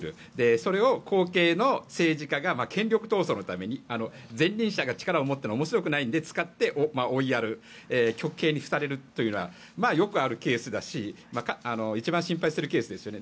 それを後継の政治家が権力闘争のために前任者が力を持ったら面白くないので、追いやる極刑にされるというのはよくあるケースだし一番心配するケースですよね。